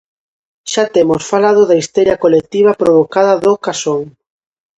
Xa temos falado da histeria colectiva provocada do Casón.